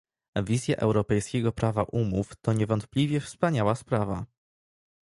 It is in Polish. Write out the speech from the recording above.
Wizja europejskiego prawa umów to niewątpliwie wspaniała sprawa